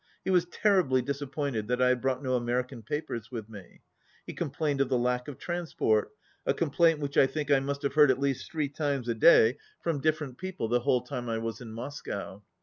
He was terribly disappointed that I had brought no American papers with me. He complained of the lack of transport, a complaint which I think I must have heard at least three times a day from different 35 people the whole time I was in Moscow.